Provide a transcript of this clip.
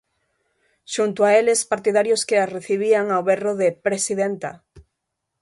Xunto a eles partidarios que as recibían ao berro de "presidenta".